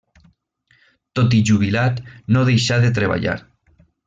Tot i jubilat, no deixà de treballar.